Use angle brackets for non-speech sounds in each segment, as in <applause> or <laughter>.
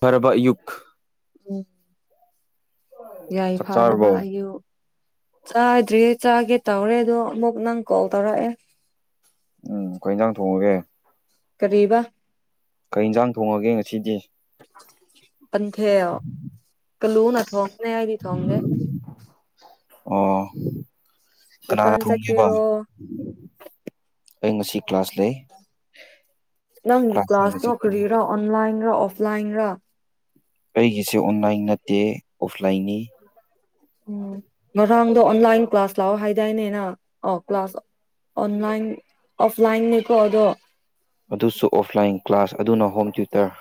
ꯄꯔꯕ ꯌꯨꯛ ꯎꯝ ꯌꯥꯏ ꯆꯥꯛ ꯐꯥꯔꯕ ꯆꯥꯔꯕꯧ ꯑꯌꯨ ꯆꯥꯗ꯭ꯔꯤ ꯆꯥꯒꯦ ꯇꯧꯔꯦ ꯑꯗꯣ ꯑꯃꯨꯛ ꯅꯪ ꯀꯣꯜ ꯇꯧꯔꯛꯑꯦ ꯎꯝ ꯑꯩꯈꯣꯏ ꯏꯟꯁꯥꯡ ꯊꯣꯡꯉꯒꯦ ꯀꯔꯤꯕꯥ ꯀꯩ ꯌꯦꯟꯁꯥꯡ ꯊꯣꯡꯉꯒꯦ ꯉꯁꯤꯗꯤ ꯄꯟꯊꯦ ꯀꯂꯨꯅ ꯊꯣꯡꯒꯅꯦ ꯑꯩꯗꯤ ꯊꯣꯡꯗꯦ ꯑꯣ ꯀꯅꯥꯅ ꯗꯨꯀꯥꯟ ꯊꯣꯡꯒꯦꯕ ꯆꯠꯀꯦꯔꯣ ꯑꯩ ꯉꯁꯤ ꯀ꯭ꯂꯥꯁ ꯂꯩ ꯅꯪ ꯍꯥꯟꯅ ꯀ꯭ꯂꯥꯁ ꯇꯣ ꯆꯠꯀꯅꯤ ꯀꯔꯤꯔ ꯑꯣꯟꯂꯥꯏꯟ ꯔ ꯑꯣꯐ ꯂꯥꯏꯟ ꯔ ꯑꯩꯒꯤꯁꯦ ꯑꯣꯟꯂꯥꯏꯟ ꯅꯠꯇꯦ ꯑꯣꯐꯂꯥꯏꯟꯅꯤ ꯎꯝ ꯉꯔꯥꯡꯗꯣ ꯑꯣꯟꯂꯥꯏꯟ ꯀ꯭ꯂꯥꯁ ꯂꯥꯛꯑꯣ ꯍꯥꯏꯗꯥꯏꯅꯦꯅ ꯑ ꯀ꯭ꯂꯥꯁ ꯑꯣꯟꯂꯥꯏꯟ ꯑꯣꯐꯂꯥꯏꯟꯅꯤꯀꯣꯗꯣ ꯑꯗꯨꯁꯨ ꯑꯣꯐꯂꯥꯏꯟ ꯀ꯭ꯂꯥꯁ ꯑꯗꯨꯅ ꯍꯣꯝ ꯇ꯭ꯌꯨꯇꯔ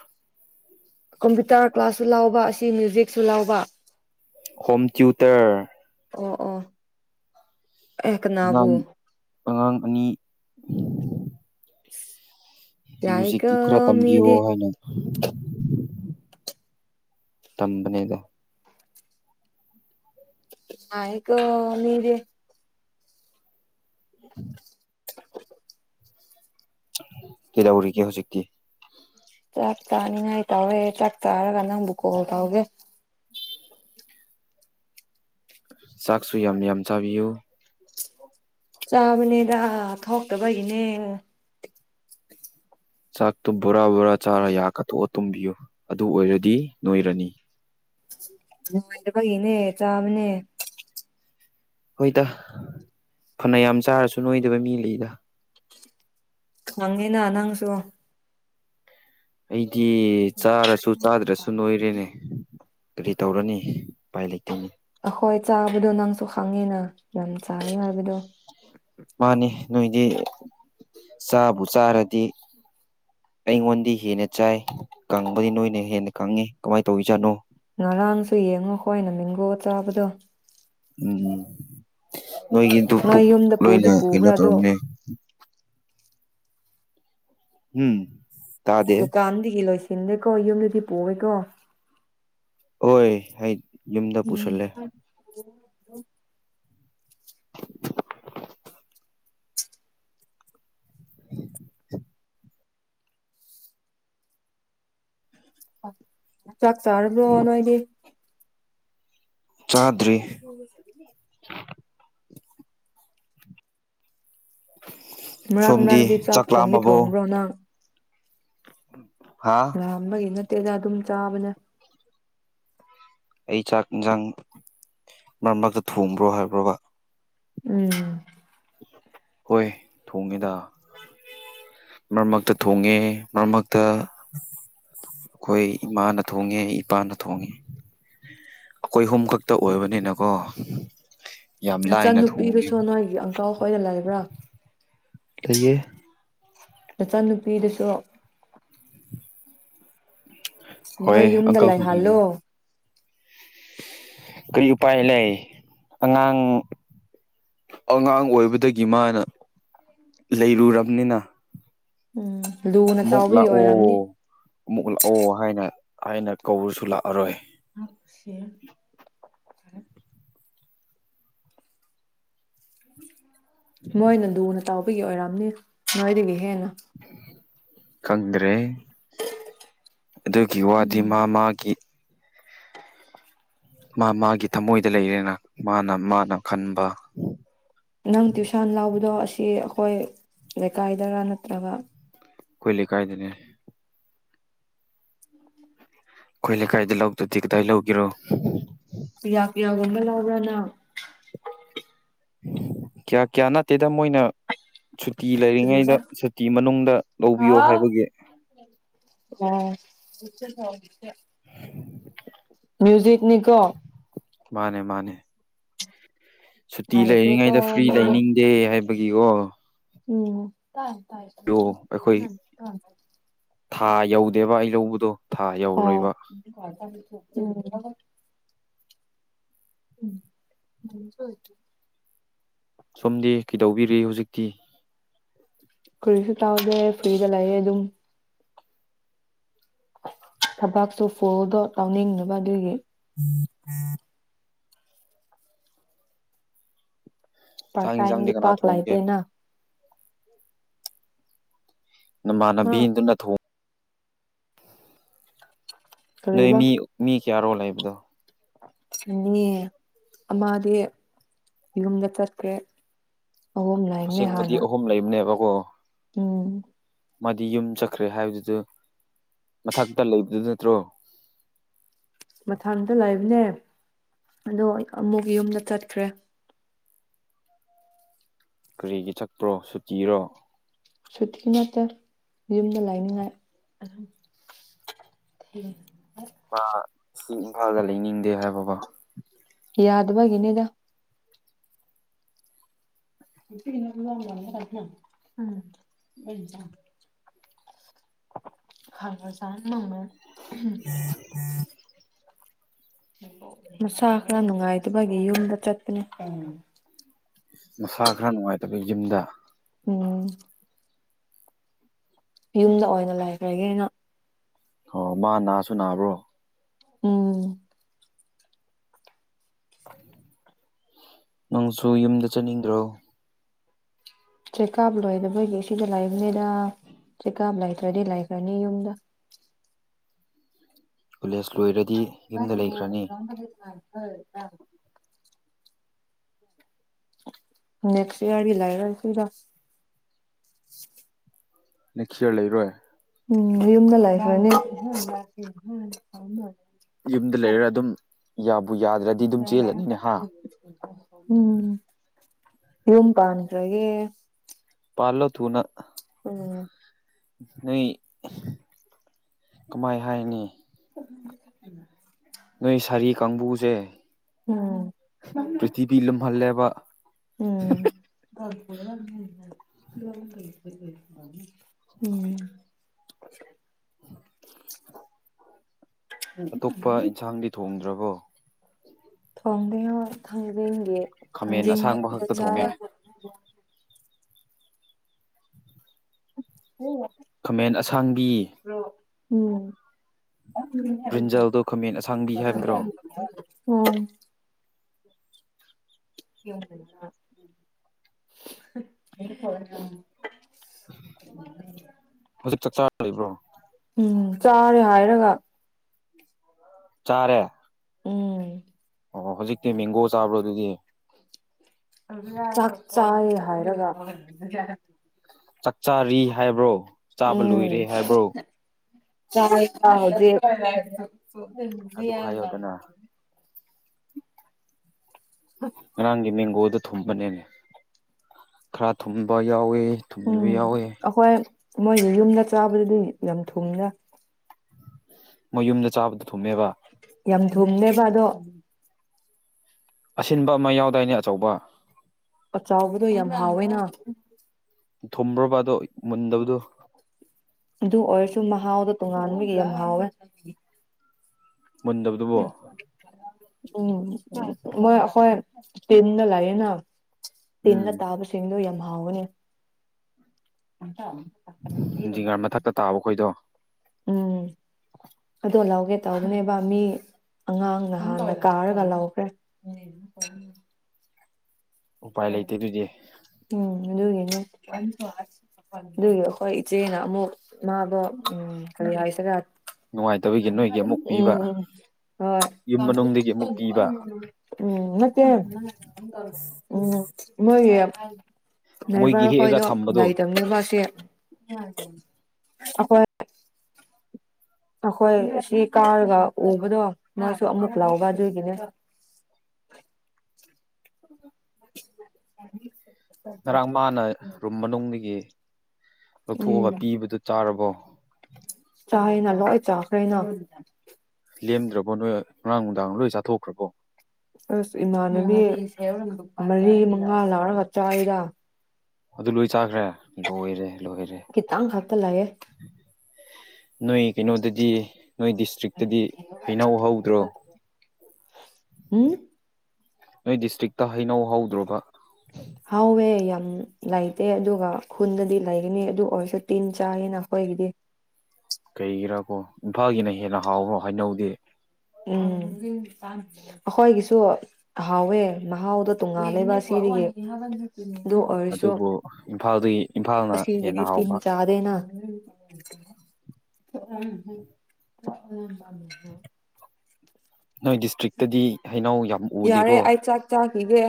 ꯀꯝꯄ꯭ꯌꯨꯇꯔ ꯀ꯭ꯂꯥꯁꯁꯨ ꯂꯥꯎꯕ ꯑꯁꯤ ꯃ꯭ꯌꯨꯖꯤꯛꯁꯨ ꯂꯥꯎꯕ ꯍꯣꯝꯇ꯭ꯌꯨꯇꯔ ꯑꯣ ꯑꯣ ꯑꯦ ꯀꯅꯥꯕꯨ ꯑꯉꯥꯡ ꯑꯉꯥꯡ ꯑꯅꯤ <inaudible> ꯌꯥꯏꯀꯣ ꯃ꯭ꯌꯨꯖꯤꯛꯀꯤ ꯈꯔ ꯇꯝꯕꯤꯌꯣ ꯃꯤꯗꯤ ꯍꯥꯏꯅ ꯇꯝꯕꯅꯦꯗ ꯑꯀꯣ ꯃꯤꯗꯤ <inaudible> ꯀꯩꯗꯧꯔꯤꯒꯦ ꯍꯧꯖꯤꯛꯇꯤ ꯆꯥꯛ ꯆꯥꯅꯤꯡꯉꯥꯏ ꯇꯥꯎꯋꯦ ꯆꯥꯛ ꯆꯥꯔꯒ ꯅꯪꯕꯨ ꯀꯣꯜ ꯇꯥꯎꯒꯦ ꯆꯥꯛꯁꯨ ꯌꯥꯝ ꯌꯥꯝ ꯆꯥꯕꯤꯌꯨ ꯆꯥꯕꯅꯦꯗ ꯊꯣꯛꯇꯕꯒꯤꯅꯦ ꯆꯥꯛꯇꯨ ꯕꯣꯔꯥ ꯕꯣꯔꯥ ꯆꯥꯔ ꯌꯥ ꯀꯥꯊꯣꯛꯑ ꯇꯨꯝꯕꯤꯌꯨ ꯑꯗꯨ ꯑꯣꯏꯔꯗꯤ ꯅꯣꯏꯔꯅꯤ ꯅꯨꯡꯉꯥꯏꯇꯕꯒꯤꯅꯦ ꯆꯥꯕꯅꯦ ꯍꯣꯏꯗ ꯐꯅ ꯌꯥꯝ ꯆꯥꯔꯁꯨ ꯅꯣꯏꯗꯕ ꯃꯤ ꯂꯩꯗ ꯈꯪꯉꯤꯅ ꯅꯪꯁꯨ ꯑꯩꯗꯤ ꯆꯥꯔꯁꯨ ꯆꯥꯗ꯭ꯔꯁꯨ ꯅꯣꯏꯔꯦꯅꯦ ꯀꯔꯤ ꯇꯧꯔꯅꯤ ꯎꯄꯥꯏ ꯂꯩꯇꯦꯅꯦ ꯑꯍꯣꯏ ꯆꯥꯕꯗꯣ ꯅꯪꯁꯨ ꯈꯪꯉꯤꯅ ꯌꯥꯝ ꯆꯥꯔꯤ ꯍꯥꯏꯕꯗꯣ ꯃꯥꯅꯤ ꯅꯣꯏꯗꯤ ꯆꯥꯕꯨ ꯆꯥꯔꯗꯤ ꯑꯩꯉꯣꯟꯗꯤ ꯍꯦꯟꯅ ꯆꯥꯏ ꯀꯪꯕꯗꯤ ꯅꯣꯏꯅ ꯍꯦꯟꯅ ꯈꯪꯉꯤ ꯀꯃꯥꯏꯅ ꯇꯧꯔꯤꯖꯥꯠꯅꯣ ꯉꯔꯥꯡꯁꯨ ꯌꯦꯡꯉꯣ ꯈꯤꯏꯅ ꯃꯦꯡꯒꯣ ꯆꯥꯕꯗꯣ ꯎꯝ ꯅꯣꯏꯒꯤꯗꯨ ꯅꯣꯏ ꯄꯨꯛ ꯌꯨꯝꯗ ꯄꯨꯗꯤ ꯂꯣꯏꯅ ꯀꯩꯅꯣ ꯄꯨꯕ꯭ꯔꯥ ꯑꯗꯣ ꯇꯧꯔꯝꯅꯦ ꯎꯝ ꯇꯥꯗꯦ ꯗꯨꯀꯥꯟꯗꯤꯗꯒꯤ ꯂꯣꯏ ꯁꯤꯟꯗꯦꯀꯣ ꯌꯨꯝꯗꯗꯤ ꯄꯨꯌꯦꯀꯣ ꯍꯣꯏ ꯍꯥꯏ ꯎꯝ ꯆꯥꯛ ꯆꯥꯔꯕꯔꯣ ꯅꯣꯏꯗꯤ ꯆꯥꯗꯔꯤ ꯃꯔꯥꯛ ꯁꯣꯝꯗꯤ ꯃꯔꯥꯛꯗꯤ ꯆꯥꯛ ꯊꯣꯡꯗꯤ ꯂꯥꯝꯃꯕꯣ ꯊꯣꯡꯕ꯭ꯔꯣ ꯅꯪ <inaudible> ꯂꯥꯝꯕꯒꯤ ꯅꯠꯇꯦꯗꯥ ꯑꯗꯨꯝ ꯆꯥꯕꯅꯦ ꯑꯩ ꯆꯥꯛ ꯏꯟꯁꯥꯡ ꯃꯔꯛ ꯃꯔꯥꯛꯇ ꯊꯣꯡꯕ꯭ꯔꯣ ꯍꯥꯏꯕ꯭ꯔꯣꯕ ꯎꯝ ꯍꯣꯏ ꯊꯣꯡꯉꯦꯗ ꯃꯔꯛ ꯃꯔꯛꯇ ꯊꯣꯡꯉꯦ ꯃꯔꯛ ꯃꯔꯛꯇ ꯑꯩꯈꯣꯏ ꯏꯃꯥꯅ ꯊꯣꯡꯉꯦ ꯏꯄꯥꯅ ꯊꯣꯡꯉꯦ ꯑꯩꯈꯣꯏ ꯑꯍꯨꯝ ꯈꯛꯇ ꯑꯣꯏꯕꯅꯤꯅꯀꯣ ꯌꯥꯝ ꯂꯥꯏꯅ ꯊꯣꯡꯉꯦꯕ ꯅꯆꯟꯅꯨꯄꯤꯗꯨꯁꯨ ꯅꯣꯏꯒꯤ ꯑꯪꯀꯥꯏ ꯍꯣꯏꯗ ꯂꯩꯕ꯭ꯔꯥ ꯂꯩꯌꯦ ꯅꯆꯟꯅꯨꯄꯤꯗꯁꯨ ꯍꯣꯏ ꯅꯣꯏ ꯌꯨꯝꯗ ꯑꯪꯀꯜ ꯈꯣꯏꯗ ꯂꯥꯏꯍꯜꯂꯣ ꯀꯔꯤ ꯎꯄꯥꯏ ꯂꯩ ꯑꯉꯥꯡ ꯑꯉꯥꯡ ꯑꯣꯏꯕꯗꯒꯤ ꯃꯥꯅ ꯂꯩꯔꯨꯔꯕꯅꯤꯅ ꯎꯝ <inaudible> ꯑꯃꯨꯛ ꯂꯥꯛꯑꯣ ꯑꯃꯨꯛ ꯂꯥꯛꯑꯣ ꯍꯥꯏꯅ ꯍꯥꯏꯅ ꯀꯧꯕꯔꯁꯨ ꯂꯥꯛꯑꯔꯣꯏ ꯑ ꯈꯨꯁꯤ <inaudible> ꯃꯣꯏꯅ ꯂꯨꯅ ꯇꯥꯎꯕꯒꯤ ꯑꯣꯏꯔꯝꯅꯤ ꯅꯣꯏꯗꯒꯤ ꯍꯦꯟꯅ ꯀꯪꯗ꯭ꯔꯦ ꯑꯗꯨꯒꯤ ꯋꯥꯗꯤ ꯃꯥ ꯃꯥꯒꯤ ꯃꯥ ꯃꯥꯒꯤ ꯊꯃꯣꯏꯗ ꯂꯩꯔꯦꯅ ꯃꯥꯅ ꯃꯥꯅ ꯈꯟꯕ ꯅꯪ ꯇ꯭ꯨꯁꯟ ꯂꯥꯎꯕꯗꯣ ꯑꯁꯤ ꯑꯩꯈꯣꯏ ꯂꯩꯀꯥꯏꯗꯔ ꯅꯠꯇ꯭ꯔꯒ ꯑꯩꯈꯣꯏ ꯂꯩꯀꯥꯏꯗꯅꯦ ꯑꯩꯈꯣꯏ ꯂꯩꯀꯥꯏꯗ ꯂꯧꯗꯗꯤ ꯀꯗꯥꯏ ꯂꯧꯒꯦꯔꯣ ꯄꯌꯥ ꯀꯤꯌꯥꯒꯨꯝꯕ ꯂꯧꯕꯔꯥ ꯅꯡ ꯀꯌꯥ ꯀꯌꯥ ꯅꯠꯇꯦꯗ ꯃꯣꯏꯅ ꯁꯨꯇꯤ ꯀꯔꯤꯕ ꯂꯩꯔꯤꯉꯩꯗ ꯁꯨꯇꯤ ꯃꯅꯨꯡꯗ ꯂꯧꯕꯤꯌꯣ ꯍꯥꯏꯕꯒꯤ ꯎꯝ ꯃ꯭ꯨꯖꯤꯛꯅꯤꯀꯣ ꯃꯥꯅꯦ ꯃꯥꯅꯦ ꯁꯨꯇꯤ ꯍꯩꯈ꯭ꯔꯦꯀꯣ ꯂꯩꯔꯤꯉꯩꯗ ꯐ꯭ꯔꯤ ꯃꯤꯗꯤ ꯂꯩꯅꯤꯡꯗꯦ ꯍꯥꯏꯕꯒꯤꯀꯣ ꯎꯝ ꯇꯥꯏ ꯇ ꯌꯣ ꯑꯩꯈꯣꯏ ꯊꯥ ꯌꯧꯗꯦꯕ ꯑꯩ ꯂꯧꯕꯗꯣ ꯊꯥ ꯑꯣ ꯌꯧꯔꯣꯏꯕ ꯎꯝ ꯆꯦ ꯁꯣꯝꯗꯤ ꯀꯩꯗꯧꯕꯤꯔꯤ ꯍꯧꯖꯤꯛꯇꯤ ꯀꯨꯔꯤꯁꯨ ꯀꯥꯎꯗꯦ ꯐꯨꯔꯤꯗ ꯂꯥꯛꯑꯦ ꯑꯗꯨꯝ ꯊꯕꯛꯁꯨ ꯐꯣꯔꯣꯗꯣ ꯇꯥꯎꯅꯤꯡꯅꯕ ꯑꯗꯨꯒꯤ ꯆꯥꯛ ꯄꯔ ꯌꯦꯟꯁꯥꯡꯗꯤ ꯇꯥꯏꯝꯗꯤ ꯀꯅꯥ ꯄꯥꯛꯥꯛ ꯊꯣꯡꯒꯦ ꯂꯥꯏꯗꯦꯅ ꯑ ꯅꯃꯥꯟꯅꯕꯤꯗꯨꯅ ꯊꯣꯡꯉ ꯅꯣꯏ ꯀꯔꯤꯕ ꯃꯤ ꯃꯤ ꯀꯌꯥꯔꯣꯜ ꯂꯩꯕꯗꯣ ꯑꯃꯗꯤ ꯌꯨꯝꯗ ꯆꯠꯀꯦ ꯑꯍꯝ ꯂꯥꯏꯅꯦ ꯑꯁꯦꯡꯕꯗꯤ ꯍꯥꯟꯅ ꯑꯍꯨꯝ ꯂꯩꯕꯅꯦꯕꯀꯣ ꯑꯝ ꯃꯥꯗꯤ ꯌꯨꯝ ꯆꯠꯈ꯭ꯔꯦ ꯍꯥꯏꯕꯗꯨꯗ ꯃꯊꯛꯇ ꯂꯩꯕꯗꯨ ꯅꯠꯇ꯭ꯔꯣ ꯃꯊꯪꯇ ꯂꯩꯥꯛꯕꯅꯦ ꯑꯗꯣ ꯑꯃꯨꯛ ꯌꯨꯝꯗ ꯆꯠꯈ꯭ꯔꯦ ꯀꯔꯤꯒꯤ ꯆꯛꯄ꯭ꯔꯣ ꯁꯨꯇꯤꯔꯣ ꯁꯨꯇꯤ ꯅꯠꯇ ꯌꯨꯝꯗ ꯂꯥꯏꯅꯤꯡꯉꯥꯏ ꯑꯗꯨꯝ ꯊꯝ ꯃꯥ ꯁꯤ ꯏꯝꯐꯥꯜꯗ ꯂꯩꯅꯤꯡꯗꯦ ꯍꯥꯏꯕꯕꯥ ꯌꯥꯗꯕꯒꯤꯅꯤꯗ ꯋꯥ ꯍꯂꯖ ꯃꯁꯥ ꯈꯔ ꯅꯨꯡꯉꯥꯏꯇꯕꯒꯤ ꯌꯨꯝꯗ ꯆꯠꯇꯅꯦ ꯃꯁꯥ ꯈꯔ ꯅꯨꯡꯉꯥꯏꯇꯕ ꯌꯨꯝꯗ ꯎꯝ ꯌꯨꯝꯗ ꯑꯣꯏꯅ ꯂꯩꯈ꯭ꯔꯒꯦꯅ ꯑꯣ ꯃꯥ ꯅꯥꯁꯨ ꯅꯥꯕ꯭ꯔꯣ ꯎꯝ ꯅꯪꯁꯨ ꯌꯨꯝꯗ ꯆꯠꯅꯤꯡꯗ꯭ꯔꯣ ꯆꯦꯛ ꯀꯥꯞ ꯂꯣꯏꯗ ꯃꯣꯏꯒꯤ ꯁꯤꯗ ꯂꯥꯛꯏꯕꯅꯤꯅ ꯆꯦꯀꯥꯝ ꯂꯩꯇ꯭ꯔꯗꯤ ꯂꯥꯏꯈ꯭ꯔꯅꯤ ꯌꯨꯝꯗ ꯀꯂꯁꯂꯔ ꯁ <unintelligible> <inaudible> ꯅꯦꯛꯁ ꯂꯥꯏꯔ ꯁꯤꯔ ꯅꯦꯛꯁ ꯏꯌꯥꯔ ꯂꯩꯔꯣꯏ ꯎꯝ ꯌꯨꯝꯅ ꯂꯥꯏꯈ꯭ꯔꯅꯤ ꯌꯨꯝꯗ ꯂꯩꯔ ꯑꯗꯨꯝ ꯌꯥꯕ ꯇꯝ <unintelligible> <inaudible> ꯏꯄꯟꯇ꯭ꯔꯒꯦ ꯀꯜꯂꯣ ꯇꯨꯅ ꯎꯝ ꯅꯣꯏ ꯀꯃꯥꯏ ꯍꯥꯏꯅꯤ ꯅꯣꯏ ꯁꯥꯔꯤ ꯀꯥꯡꯕꯨꯁꯦ ꯎꯝ ꯄ꯭ꯔꯤꯊꯤꯕꯤ ꯂꯨꯝꯍꯜꯂꯦꯕ ꯎꯝ <inaudible> ꯎꯝ ꯑꯇꯣꯞꯄ ꯏꯟꯁꯥꯡꯗꯤ ꯊꯣꯡꯗ꯭ꯔꯕꯣ ꯊꯣꯡꯗꯉꯣ ꯊꯥꯡꯖꯤꯡꯒꯤ ꯈꯥꯃꯦꯟ ꯊꯥꯡꯖꯤꯡ ꯑꯁꯥꯡꯕ ꯈꯛꯇ ꯆ ꯊꯣꯡꯉꯦ ꯈꯃꯦꯟ ꯑꯁꯥꯡꯕꯤ ꯎꯝ ꯍꯝ ꯕ꯭ꯔꯤꯟꯖꯜꯗꯣ ꯈꯥꯃꯦꯟ ꯑꯁꯥꯡꯕꯤ ꯍꯥꯏꯕ꯭ꯔꯣ ꯀ <unintelligible> <inaudible> ꯍꯧꯖꯤꯛ ꯆꯠ ꯆꯥꯔꯤꯕ꯭ꯔꯣ ꯎꯝ ꯆꯥꯔꯦ ꯍꯥꯏꯔꯒ ꯆꯥꯔꯦ ꯎꯝ ꯑꯣ ꯍꯧꯖꯤꯛꯇꯤ ꯃꯦꯡꯒꯣ ꯆꯥꯕ꯭ꯔꯣ ꯑꯗꯨꯗꯤ ꯆꯥꯛ ꯆꯥꯏ ꯍꯥꯏꯔꯒ ꯆꯥꯛ ꯆꯥꯔꯤ ꯍꯥꯏꯕ꯭ꯔꯣ ꯆꯥꯕ ꯂꯣꯏꯔꯦ ꯍꯥꯏꯕ꯭ꯔꯣ ꯆ ꯑꯗꯨ ꯌꯥ <unintelligible> <inaudible> ꯍꯥꯏꯌꯣꯗꯅ ꯉꯔꯥꯡꯒꯤ ꯃꯦꯡꯒꯣꯗ ꯊꯨꯝꯕꯅꯦꯅꯦ ꯈꯔ ꯊꯨꯝꯕ ꯌꯥꯎꯋꯦ ꯊꯨꯝꯗꯕ ꯌꯥꯎꯋꯦ ꯃꯣꯏꯁꯨ ꯌꯨꯝꯗ ꯆꯥꯕꯗꯗꯤ ꯌꯥꯝ ꯊꯨꯝꯅ ꯃꯣꯏ ꯌꯨꯝꯗ ꯆꯥꯕꯗꯨ ꯊꯨꯝꯃꯦꯕ ꯌꯥꯝ ꯊꯨꯝꯅꯦꯕ ꯑꯗꯣ ꯑꯁꯤꯟꯕ ꯑꯃ ꯌꯥꯎꯗꯥꯏꯅꯦ ꯑꯆꯧꯕ ꯆꯥꯎꯕꯗꯣ ꯌꯥꯝ ꯍꯥꯎꯋꯦꯅ ꯊꯨꯝꯕ꯭ꯔꯣꯕꯗꯣ ꯃꯨꯟꯗꯕꯗꯣ ꯑꯗꯨ ꯑꯣꯏꯔꯁꯨ ꯃꯍꯥꯎꯗꯣ ꯇꯣꯉꯥꯟꯕꯒꯤ ꯌꯥꯝ ꯍꯥꯎꯋꯦ ꯃꯨꯟꯗꯕꯗꯨꯕꯣ ꯎꯝ ꯃꯣꯏ ꯑꯩꯈꯣꯏ ꯇꯦꯟꯅ ꯂꯑꯦꯅ ꯎꯝ ꯇꯤꯟꯅ ꯇꯥꯕꯁꯤꯡꯗꯣ ꯌꯥꯝ ꯍꯥꯎꯒꯅꯤ ꯎꯇ <unintelligible> <inaudible> ꯤꯡꯒꯔ ꯃꯊꯛꯇ ꯇꯥꯕ ꯑꯩꯈꯣꯏꯗꯣ ꯑꯣ ꯂꯧꯒꯦ ꯇꯧꯕꯅꯦꯕ ꯃꯤ ꯑꯉꯥꯡ ꯅꯍꯥꯟꯅ ꯀꯥꯔꯒ ꯂꯧꯈ꯭ꯔꯦ ꯎꯄꯥꯏ ꯂꯩꯇꯦ ꯑꯗꯨꯗꯤ ꯑꯗꯨ ꯑꯗꯨꯏꯒꯤ ꯑꯩꯈꯣꯏ ꯏꯆꯦꯅ ꯑꯃꯨꯛ ꯃꯥꯗꯣ ꯎꯝ ꯀꯔꯤ ꯍꯥꯏꯁꯤꯔꯦ ꯅꯨꯡꯉꯥꯏꯗ ꯎꯝ ꯎꯝ ꯌꯨꯝ ꯃꯅꯨꯡꯗꯒꯤ ꯍꯣꯏ ꯑꯃꯨꯛ ꯄꯤꯕ ꯎꯝ ꯅ <unintelligible> ꯎꯝ ꯃꯣꯏꯒꯤ ꯃꯣꯏꯒꯤ ꯏꯕꯔ ꯍꯦꯛꯑꯒ ꯍꯣꯏꯗꯣ ꯊꯝꯕꯗꯣ ꯂꯥꯏꯔꯤꯛꯇꯝ ꯂꯩꯕꯁꯦ ꯑꯩꯈꯣꯏ ꯑꯩꯈꯣꯏ ꯁꯤ ꯀꯥꯔꯒ ꯎꯕꯗꯣ ꯉꯅꯥꯁꯨ ꯑꯃꯨꯛ ꯂꯥꯛꯑꯣꯕ ꯑꯗꯨꯣꯏꯒꯤꯅꯦ <unintelligible> ꯉꯔꯥꯡ ꯃꯥꯅ ꯔꯨꯝ ꯃꯅꯨꯡꯗꯒꯤꯒꯤ ꯂꯧꯊꯣꯛꯑꯒ ꯎꯝ ꯄꯤꯕꯗꯨꯣ ꯆꯥꯔꯕꯣ ꯆꯥꯦꯅ ꯂꯣꯏ ꯆꯥꯈ꯭ꯔꯦꯅ ꯂꯦꯝꯗ꯭ꯔꯕꯣ ꯅꯣꯏ ꯉꯔꯥꯡ ꯅꯨꯡꯗꯥꯡ ꯂꯣꯏ ꯆꯥꯊꯣꯛꯈ꯭ꯔꯕꯣ ꯑꯁ ꯏꯃꯥꯟꯅꯕꯤ ꯃꯔꯤ ꯃꯉꯥ ꯂꯧꯥꯎꯔꯒ ꯆꯥꯔꯤꯗ ꯑꯗꯨ ꯂꯣꯏ ꯆꯥꯈ꯭ꯔꯦ ꯂꯣꯏꯔꯦ ꯂꯣꯏꯔꯦ ꯈꯤꯇꯪ ꯈꯛꯇ ꯂꯩꯌꯦ ꯅꯣꯏ ꯀꯩꯅꯣꯗꯗꯤ ꯅꯣꯏ ꯗꯤꯁꯇ꯭ꯔꯤꯛꯇꯗꯤ ꯍꯩꯅꯧꯍꯧꯗ꯭ꯔꯣ ꯎꯝ ꯅꯣꯏ ꯗꯤꯁꯇ꯭ꯔꯤꯛꯇ ꯍꯩꯅꯧ ꯍꯧꯗ꯭ꯔꯕ ꯍꯥꯎꯋꯦ ꯌꯥꯝ ꯂꯩꯇꯦ ꯑꯗꯨꯒ ꯈꯨꯟꯗꯗꯤ ꯂꯩꯒꯅꯤ ꯑꯗꯨ ꯑꯣꯏꯔꯁꯨ ꯇꯤꯟ ꯆꯥꯌꯦꯦꯅ ꯑꯩꯈꯣꯏꯒꯤꯗꯤ ꯀꯩꯒꯤꯔꯥꯀꯣ ꯏꯝꯐꯥꯜꯒꯤꯅ ꯍꯦꯟꯅ ꯍꯥꯎꯕ꯭ꯔꯣ ꯍꯥꯏꯩꯅꯧꯗꯤ ꯎꯝ ꯑꯩꯈꯣꯏꯒꯤꯁꯨ ꯍꯥꯎꯋꯦ ꯃꯍꯥꯎꯗ ꯇꯣꯡꯉꯥꯜꯂꯦꯕ ꯑꯁꯤ ꯑꯗꯨ ꯑꯣꯏꯔꯁꯨ ꯑꯗꯨꯕꯨ ꯏꯝꯐꯥꯜꯗꯒꯤ ꯏꯝꯐꯥꯜꯅ ꯑꯁꯤꯁꯤꯗꯤ ꯍꯦꯟꯅ ꯄꯤꯟ ꯍꯥꯎꯕ ꯆꯥꯗꯦꯅ ꯎ ꯎ ꯎ ꯅꯣꯏ ꯗꯤꯁꯇ꯭ꯔꯤꯛꯇꯗꯤ ꯍꯩꯅꯧ ꯌꯥꯝ ꯎꯗꯦꯀꯣ ꯏꯤꯗꯦ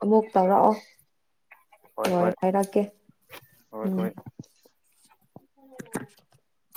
ꯑꯃꯨꯛ ꯇꯧꯔꯛꯑꯣ ꯍꯣꯏ ꯍꯣꯏ ꯍꯥꯏꯔꯛꯀꯦ ꯍꯣꯏ ꯎꯝ ꯍꯣꯏ <unintelligible>